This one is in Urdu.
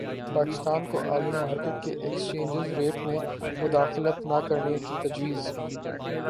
پاکستان کو عالمی مارکیٹ کے ایکسچینج ریٹ میں مداخلت نہ کرنے کی تجویز